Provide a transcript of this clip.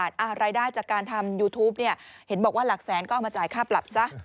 รายได้จากการทำยูทูปเห็นบอกว่าหลักแสนก็เอามาจ่ายค่าปรับซะ